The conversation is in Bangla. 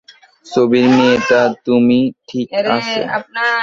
ছবির মেয়েটা তুমি, ঠিক আছে?